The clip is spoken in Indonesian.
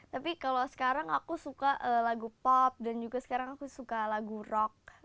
tapi kalau sekarang aku suka lagu pop dan juga sekarang aku suka lagu rock